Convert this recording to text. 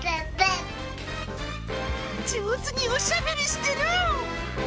上手におしゃべりしてる。